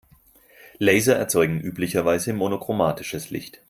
Laser erzeugen üblicherweise monochromatisches Licht.